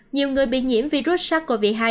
nhiều người bị nhiễm virus sars cov hai